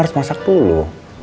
harus masak dulu